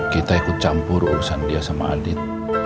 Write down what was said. kita ikut campur urusan dia sama adit